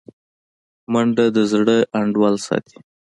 منډه د زړه انډول ساتي